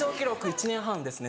１年半ですね